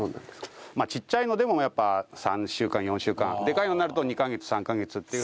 ちっちゃいのでもやっぱ３週間４週間でかいのになると２カ月３カ月っていう。